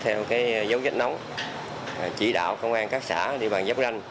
theo dấu vết nóng chỉ đạo công an các xã địa bàn giáp ranh